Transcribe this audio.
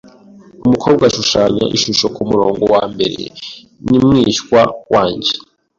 Umukobwa ushushanya ishusho kumurongo wambere ni mwishywa wanjye.